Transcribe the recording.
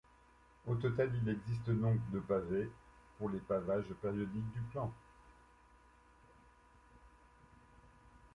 Au total, il existe donc de pavés pour les pavages périodiques du plan.